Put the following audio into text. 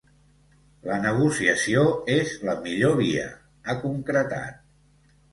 La negociació és la millor via, ha concretat.